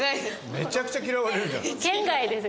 めちゃくちゃ嫌われる。